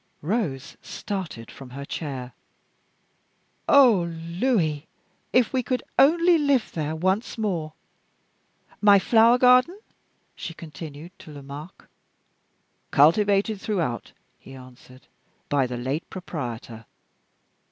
Rose started from her chair. "Oh, Louis, if we could only live there once more! My flower garden?" she continued to Lomaque. "Cultivated throughout," he answered, "by the late proprietor."